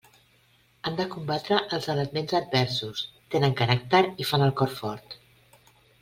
Han de combatre els elements adversos, tenen caràcter i fan el cor fort.